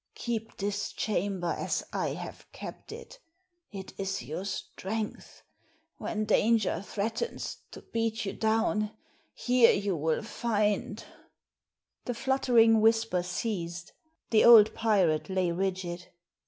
Keep this chamber as I have kept it; it is your strength; when danger threatens to beat you down, here you will find " The fluttering whisper ceased. The old pirate lay rigid.